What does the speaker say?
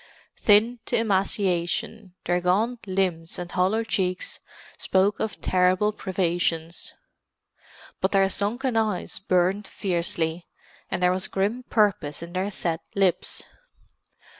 Thin to emaciation, their gaunt limbs and hollow cheeks spoke of terrible privations; but their sunken eyes burned fiercely, and there was grim purpose in their set lips.